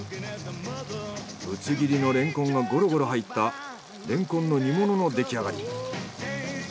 ぶつ切りのレンコンがごろごろ入ったレンコンの煮物のできあがり。